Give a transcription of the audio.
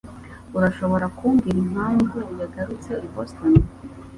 Urashobora kumbwira impamvu yagarutse i Boston?